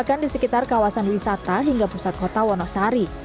bahkan di sekitar kawasan wisata hingga pusat kota wonosari